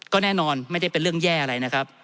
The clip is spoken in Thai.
ก็แน่นอนไม่ได้เป็นเรื่องแย่อะไรนะครับ